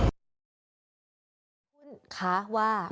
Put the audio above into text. คุณค้าว่า